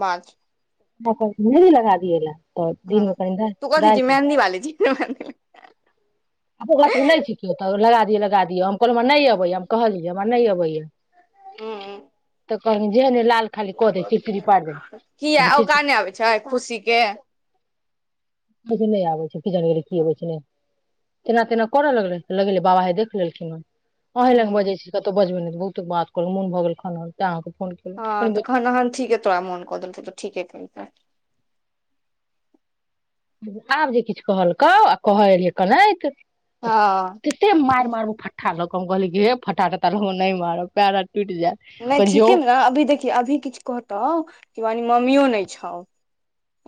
बाज हमरा कहलखिन मेंहदी लगा दियै ला हँ तू कथी छी मेहन्दीवाली छी ही जे मेहन्दी ओकरा घर मे नहि छै केओ तऽ लगा दिय लगा दियै हम कहलहु हमरा नहि अबैए हम कहलियै हमरा नहि अबैए हॅं कहलखिन्ह जेहन हे किया ओकरा नहि आबै छै खुशी के कहै छै नहि अबै छै कि जानय गेलियै की अबै छै नहि केना तेना करऽ लगले लगेलेै बाबा हे देख लेलखिन अहीं लग बजै छी कतहु बजबै नहि बहुते बात कहलखिन्ह मोन भऽ गेल कानै तेँ अहाँक हँ तऽ खन हन ठीके तोरा मन कऽ देलकौ तऽ ठीके कह आब जे किछु कहलकौ आ कह एलियै कनैत तते मारि मारबो फट्टा लऽ के हम कहलियै हे फटटा टटा लऽ के नहि मारब पैर आर नहि ठीकेमे ने अभी देखिहि अभी किछु कहतौ शिवानी मम्मियो नहि छौ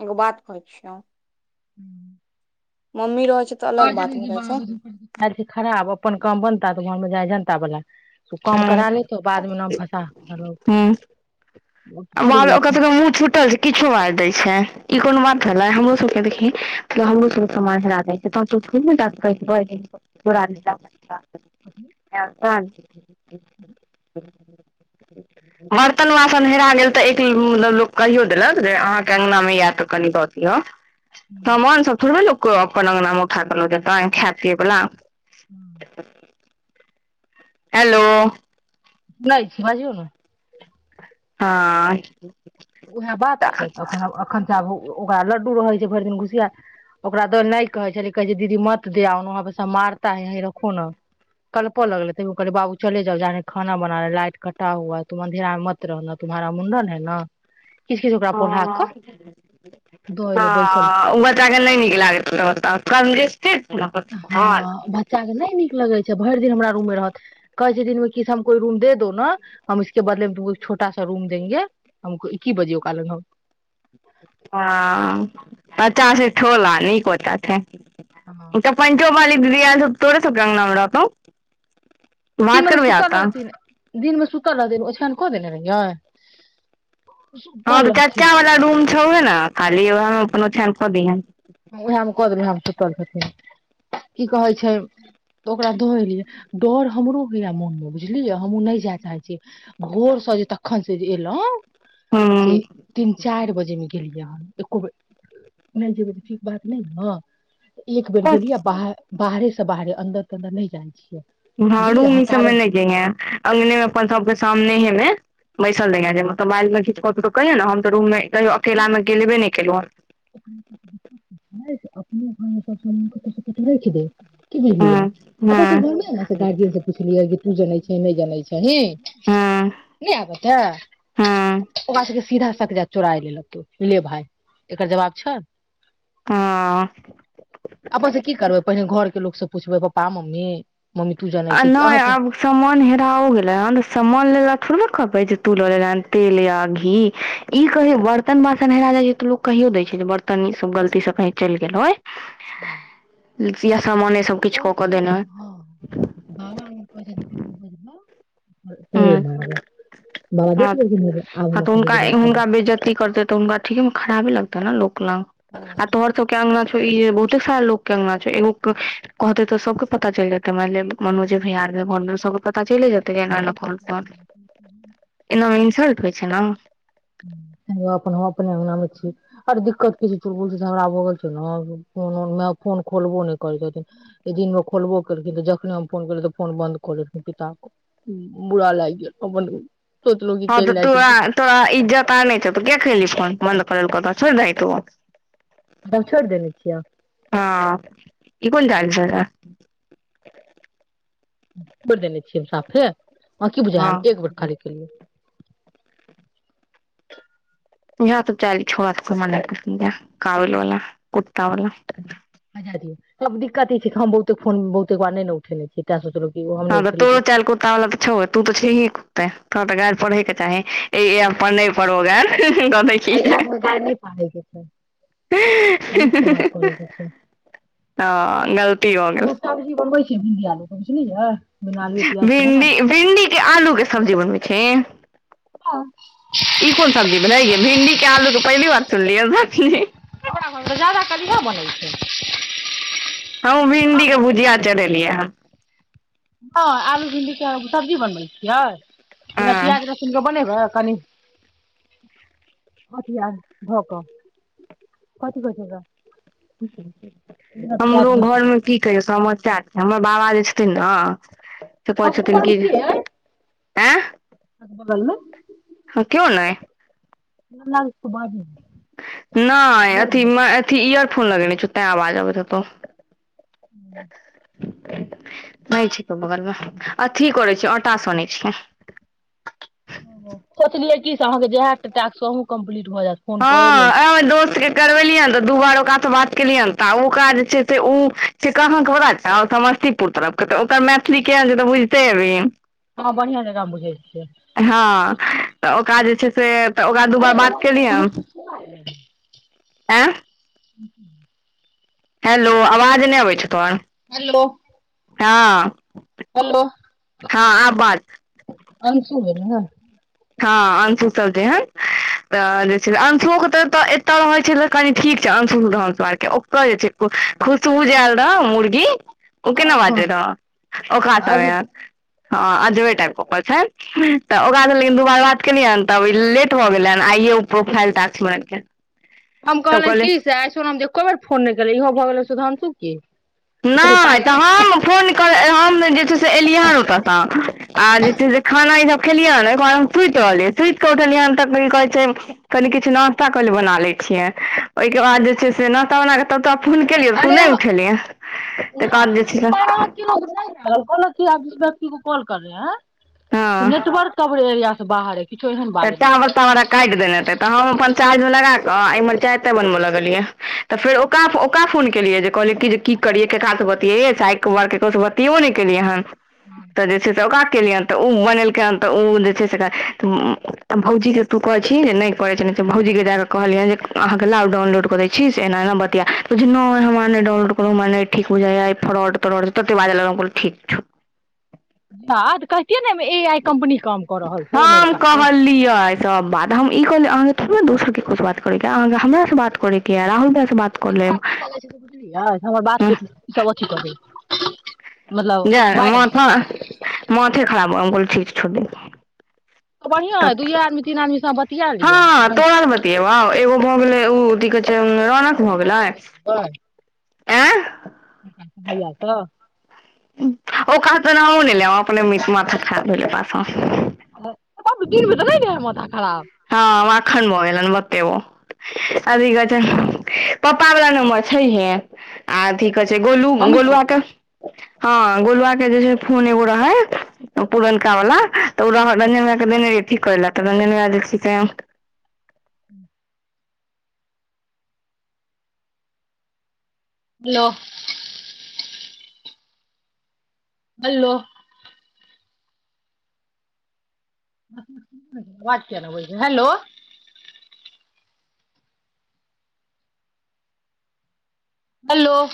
एगो बात कहै छियौ [inaudible] मम्मी रहय वाह गे दीदी वाह गे दीदी चालि छै खराब अपन काम बनता तऽ भाड़ मे जाय जनता बला तऽ काम ह करा लेतौ बादमे नाम फसा चलि बाद गेल मे ओकर अखन सभके मुह छुटल छै किछो बाजि दै छै ई कोनो बात छलै हमरो सब के देखहि मतलब हमरो सब के समान हरा जाइ छै तऽ हम सब थोड़हि जा कऽ कहि देबै जे चोरा हेलो नमस्कार [inaudible] बर्तन वासन हेरा गेल तऽ एक लोक कहियो देलक जे अहाँके अंगना मे यै तऽ कनि द दियऽ समान सब थोड़बे लोक अपन आंगना में उठा कऽ लऽ जेतय खाय पीयै बला [unintelligible] हेलो नहि छै बाजियौ नै हँ उएह बात छै तऽ एखन आब एखनसँ आब ओकरा लड्डू रहै छै भरि दिन घुसियाल ओकरा दऽ तऽ नहि कहै छै कहै छै दीदी मत देआओ न वहाँ बस मारता है यहीं रखो ने कल्पऽ लगले तैयो कहलै बाबू चले जाउ जा रहे खानाबनाने लाइट कटा हुआ है तू अन्धेरा मे मत रहना तुम तुम्हारा मुंडन है न हैं द एलै बैसल छै हैं बच्चा के नई नीक लगा गायित हेताई ओता हँ बच्चा के नहि नीक लगे छै भरि दिन हमरा रूम मे रहत कहै छै दिनमे कि हमको इ रूम दे दो न हम इसके बदलेमे तुमको छोटा सा रूम देंगे की बजियौ ओकरा लग हम [inaudible] हँ पचासे ठोला नीक गोटा छै हँ तऽ पनिचोभ वाली दीदी आएल छौ तोड़े सबके अंगना मे रहतौ तऽ दिन बात मे करबिहि आब सुतल तऽ रहथिन दिन मे सुतल रहथिन ओछैन कऽ देने रहियै हँ तऽ सुतल चाचा रहथिन वला रूम छौहे ने खाली ओएहमे अपन ओछान कऽ दी हैं वैहमे कऽ देेबै वैह मे सूतल छथिन की कहै छै तऽ ओकरा दऽ एलियै डर हमरो होइया मोन मे बुझलियै हमहूँ नहि जाय चाहे छियै घोर सँ जे तखन से जे एलौं से हूं तीन चारि बजे मे गेल दियाद एको बेर नहि जेबै तऽ ठीक बात नहि ने एक बेर गेलियी आ बाह बाहरे से बाहरे अन्दर तनन्दर नहि जाय छियै ह बुझलियै रूम अहाँ ई सबमे कारण नहि जाइ हैं अंगने मे अपन सबके सामने हेमे बैसल हँ रहिये माइंड में किछ अतओ तऽ कहियै ने हम तऽ रूम मे कहियो अकेला किया मे कि गेलेबे नहि ओकर केलहुँ [unintelligible] अपने घरमे सब समान कतो से कतो रखि दे कि हँ बुझलियै अपना हँ सभ घरमे से ने गार्जियन से पुछलियै कि तू जनै छी ही के नहि जानै छही हँ नइ आब ऐते हँ हँ ओकरा सबक सीधा तक जा चोराइ लेलके ले भाय एकर जवाब छै हँ अपन से की करबै पहिने घर के लोक सब पुछबै पपा मम्मी मम्मी तू जनै आ छै कि नई अहाँके आब समान हेराओ गेलै हन सामान लेला थोरबे तू ल लेले तेल या घी ई कहियो बर्तन बासन हेरा जाय छै तो लोक कहियो देय छै बर्तन ई सब गलती सब कही चलि गेल हँ होय सामाने तऽ सभ किछु घर क के केओ- देने हँ, बाबा कहाइ छथिन ह तऽ हुनका नहि करबै हुनका बेजती करते तऽ हुनका ठीके म खराबे लगतै त नइ लोक लंग आ तहर सब के अंगना ई बहुते सारा लोक के अंगना छै एगो कहते तऽ सबके पता चलि जेतै मायन ले मनजे भैया अर के घर मे सबके पता चलै जेतै जे एना एना एनामे इन्सल्ट होइ छै न अपने अंगना मे छी आर दिक्कत क चूलबुल झगड़ा भा गेल छै न फोन खोलबो नइ करैय छथिन एहि दिन मे खोलबो करेलखिन तऽ जखनी हम फोन कलिए तखने फोन बन्द क लेलखिन पिता बुरा लागि गेल बन ह तोरा तोरा इज्जत त नहि छै त क ख लिन बन्द करैल कत छोर दही तु हम छोड़ि देने छियै हँ ई कोन चइल [unintelligible] छोइर देने छियै हम साफे अहाके की बुझाय हँ है एक बेर खाली केलियए इहे सब चाइल छोरा सब क हमरा नइ निक लगैय य काबिल वला कुत्तावला सब दिक्कत ई छै बहुते फोन बहुते बार नइ न उठेने छिय तै सोचल हँ तऽ तोरो चल कुत्ता वाला त छौै तू तऽ छै ही कुत्ते तोड़ा तऽ गाइर पढ़ैये क चाही ई ए अपन नइ परो गाइर [unintelligible] नीक सँ बात करयके छै हँ गलती भ अगर गेल सब्जी [unintelligible] प्याज के बना भिंडी लेबै भिंडी के आलू के सब्जी बनबै छिहीं हँ ई कोन सब्जी बनाइ भिंडी के आलू के पहिले बार सुनलियै हमरा घरमे तऽ जादा काल इहे बनै छै हम भिंडीके भुजिया चढ़ेलियै हं हँ आलू भिण्डीके सब्जी बनबैत छियै आ बिना प्याज लहसूनके बनेबै कनी कथि यर ध क कथी कहै छै त हमरो लहसुन घरमे की कहियो समझ हमर बाबा जे छथिन ने से कहय अहाँके छखिन की आ [unintelligible] मे कओ नही मे बाजू नहि मर्द अथि जकाँ अथि इयर फोन लगेने छ ते आवाज अबैत होतो [unintelligible] [unintelligible] नहि छैक बगलमे अथी करै छियै आटा सनै छियै सोचलियै की से अहा के जेहे टास्क अहो कम्प्लीट भऽ जायत फोन हँ कए लै छी आ दोस्त के करवेलियै हन तऽ दू बारो बात केलियै त ओक जे छै ओ छै कहाँ के से पता छउ समस्तीपुर तरफ क त मैथिली केहन छै तऽ बुझते हेभी हँ बढ़िआ जेका बुझैइ छियै हँ तऽ ओकरा जे छै से तऽ ओकरा दू बार अरे ओ बात एले हन आहाँ के इ पता य एं [inaudible] हेलो आवाज नहि अबै छौ तोहर हेलो [unintelligible] हेलो हँ आ बाज अंसु भेल ने हँ अंशु सब जेहन तऽ जे छै अंशुे तऽ तऽ एतय रहै छल कनी ठीक छै अंशु रहारके ओत जे छै खुशबू जे ऐल रहो मुर्गी ओ हँ केना हँ बाजे रह ओ खा सभ आज एहन हँ अजबे टायब के बजै छै तऽ ओकरा दूबार बात केलियैन तब लेट भऽ गेलै आइये ओ प्रोफाइल टास्क बनेलखिन हम कहले की से आइ सोनमजी एको बेर फोन नहि केललै इहो भऽ गेलै सुधांशु की नहि तऽ हम फोन कर हम जे छै से एलियै हन ओतयसँ आ जे छै से खाना इसब खेलियै एक बार हम सुति रहलियै सुतति के उठलियै तऽ की कहे छै कनि किछु नास्ता कहलिय बना ले छिय ओहिके बाद जे छै से नाश्ता बनाके तब तोरा फोन केलिय तू नहि उठेलियह नै हम दुबारा हम केलों कहलकौ नै आप जिस व्यक्ति को कॉल कर रहे है हँ ह नेटवर्क कबरेज एरीआ से बाहर किछो एहन तऽ टावर बाजलक तावर हमरा काट देना त हम चार्ज मे लगाक एमहर चाय ताय बनाबऽ लगलियै तऽ फेर ओक ओका फोन केलिये जे कहलियै की करियै ककरास से बतिएबो तऽ आइ बार ककरोसँ बतियो नहि केलियै हन तऽ जे छै से ओकरा केलियैनि तऽ ओ बनेलकै हन तऽ ओ जे छै से भौजी के तू कहैत छी जे नहि करैत छ भौजी के जाऽ कऽ कहलियै जे अहाँके लाउ डाउनलोड कऽ दय छी से एना एना बतिया तऽ कहै छै नै हमरा नए डाउनलोड करू हमरा नै ठीक बुझाय ऐ इ फ्रॉड ठीक छौ ह कहति हम अमेरिका के कहलिए सब बात हम ई कहलियै अहाँ के दोसर किछु बात करैहाँ हमर से बात करे है राहुल भैया एकरा की लागेय छय से बझलिए हमर बात हँ सब अथी क दै जा मथा मथे खराब भ हम कहलिये ठीक छै छोड़ दिही तऽ बढ़ियां अइ तब दुइये आदमी तीन आदमी सँ बतिया लिअ हँ घंटा, तोहर बतिएबौ एगो भऽ गेलै ओ अथी कहै छै रौनक भऽ हुनका गेलै चिनहै छि गै एं भइआ तऽ ओ कऽ तऽ नामो नै‌ लेब अपने मिट माथत खा धे पा [unintelligible] हँ माखन भऽ गेलै मथतै ओ अभी कहैतै पप्पा बला नम्बर छैहे आथी कहै छै गोलू मम्मी से गोलुआ के बतिया हँ गोलुआ के जे छै फोन एगो रहै पुरनका वला तऽ ओ रंजन भैआ के देने रहिए ठिक करै लेल तऽ रंजन भैया से [inaudible] हेलो हेलो अवाज किया नै अबय छै हेलो हलो